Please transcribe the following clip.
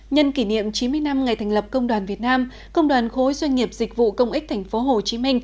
nhân kỷ niệm chín mươi năm ngày thành lập công đoàn việt nam công đoàn khối doanh nghiệp dịch vụ công ích tp hcm